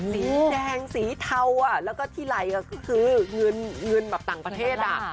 สีแดงสีเทาแล้วก็ที่ไหลคือเงินแบบต่างประเทศอ่ะ